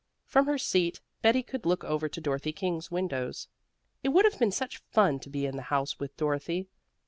From her seat Betty could look over to Dorothy King's windows. It would have been such fun to be in the house with Dorothy.